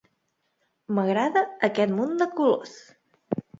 M'agrada aquest munt de colors.